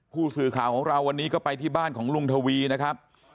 ผู้สื่อข่าวของเราวันนี้ก็ไปที่บ้านของลุงทวีนะครับ